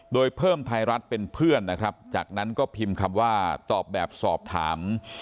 โดยเพิ่มไทยรัฐเป็นเพื่อนนะครับจากนั้นก็พิมพ์คำว่าตอบแบบสอบถาม